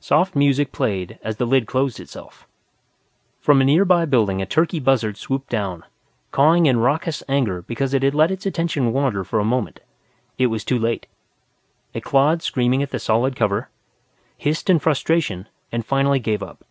Soft music played as the lid closed itself. From a building nearby a turkey buzzard swooped down, cawing in raucous anger because it had let its attention wander for a moment. It was too late. It clawed screaming at the solid cover, hissed in frustration and finally gave up.